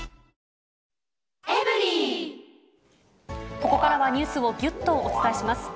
ここからはニュースをぎゅっとお伝えします。